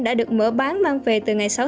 đã được mở bán mang về từ ngày sáu tháng